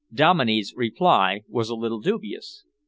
Dominey's reply was a little dubious.